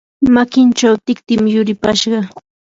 makinchaw tiktim yuripashqa.